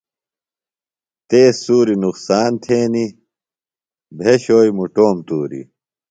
تیز سُوری نقصان تھینیۡ، بھیۡشوئی مُٹوم تُوری